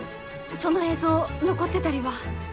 その映像残ってたりは。